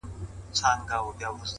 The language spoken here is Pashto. هڅه د بریا د دروازې کلی ده،